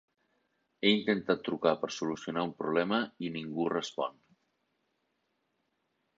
He intentat trucar per solucionar un problema i ningú respon.